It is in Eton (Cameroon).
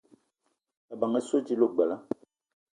Ebeng essoe dila ogbela